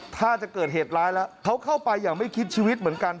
ถ้าจะเกิดเหตุร้ายแล้วเขาเข้าไปอย่างไม่คิดชีวิตเหมือนกัน